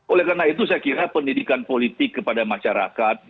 oleh karena itu saya kira pendidikan politik kepada masyarakat